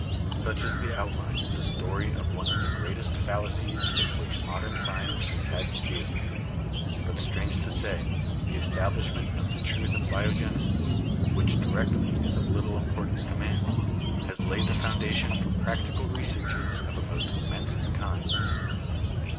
Such is in outline the story of one of the greatest fallacies with which modern science has had to deal. But, strange to say, the establishment of the truth of biogenesis, which directly is of little importance to man, has laid the foundation for practical researches of a most momentous kind.